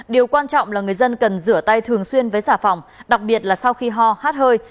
điều quan trọng là người dân cần rửa tay thường xuyên với xà phòng đặc biệt là sau khi ho hát hơi